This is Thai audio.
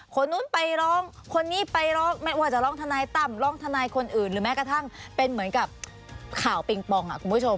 คนนู้นไปร้องคนนี้ไปร้องไม่ว่าจะร้องทนายตั้มร้องทนายคนอื่นหรือแม้กระทั่งเป็นเหมือนกับข่าวปิงปองคุณผู้ชม